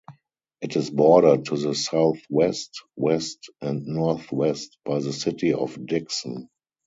It is bordered to the southwest, west, and northwest by the city of Dickson.